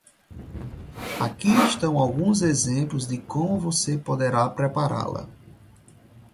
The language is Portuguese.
Aqui estão alguns exemplos de como você pode prepará-la: